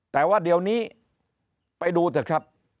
แต่ว่าเดี๋ยวนี้ไปดูเถอะครับ